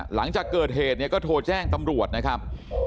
หลังจากเกิดเหตุเนี่ยก็โทรแจ้งตำรวจนะครับ